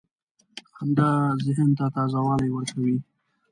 • خندا ذهن ته تازه والی ورکوي.